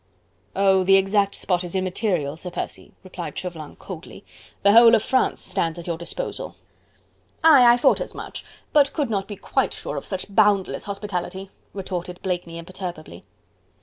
"Oh! the exact spot is immaterial, Sir Percy," replied Chauvelin coldly, "the whole of France stands at your disposal." "Aye! I thought as much, but could not be quite sure of such boundless hospitality," retorted Blakeney imperturbably.